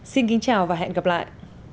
xin kính chào và hẹn gặp lại